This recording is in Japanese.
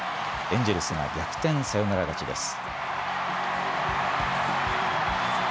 エンジェルスが逆転サヨナラ勝ちです。